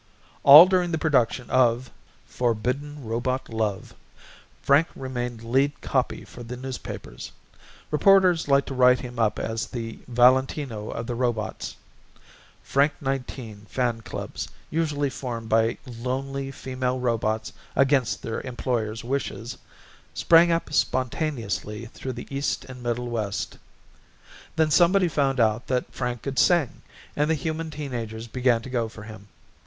All during the production of Forbidden Robot Love Frank remained lead copy for the newspapers. Reporters liked to write him up as the Valentino of the Robots. Frank Nineteen Fan Clubs, usually formed by lonely female robots against their employers' wishes, sprang up spontaneously through the East and Middle West. Then somebody found out Frank could sing and the human teen agers began to go for him.